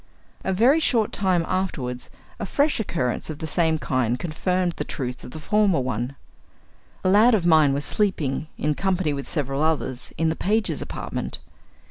A very short time afterward a fresh occurrence of the same kind confirmed the truth of the former one. A lad of mine was sleeping, in company with several others, in the pages' apartment.